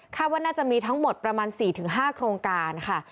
ว่าน่าจะมีทั้งหมดประมาณ๔๕โครงการค่ะ